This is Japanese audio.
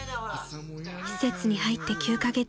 ［施設に入って９カ月］